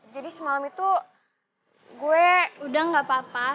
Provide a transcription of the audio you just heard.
jadi semalam itu gue udah gak apa apa